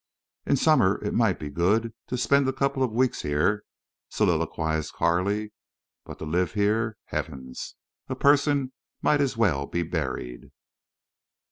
"In summer it might be good to spend a couple of weeks here," soliloquized Carley. "But to live here? Heavens! A person might as well be buried."